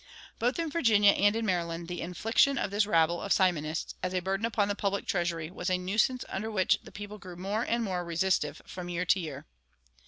Both in Virginia and in Maryland the infliction of this rabble of simonists as a burden upon the public treasury was a nuisance under which the people grew more and more restive from year to year.